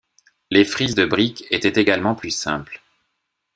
Les frises de brique étaient également plus simples.